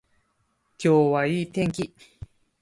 今日はいい天気